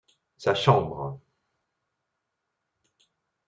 Sa chambre.